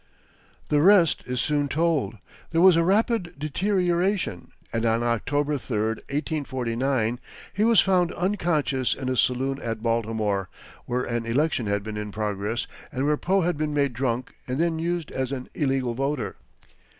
The rest is soon told. There was a rapid deterioration, and on October 3, 1849, he was found unconscious in a saloon at Baltimore, where an election had been in progress and where Poe had been made drunk and then used as an illegal voter.